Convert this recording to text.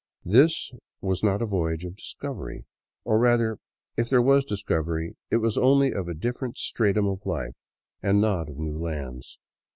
This was not a voyage of discovery ; or rather, if there was discov ery, it was only of a different stratum of life, and not of new lands.